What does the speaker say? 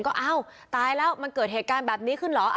ก็อ้าวตายแล้วมันเกิดเหตุการณ์แบบนี้ขึ้นเหรอ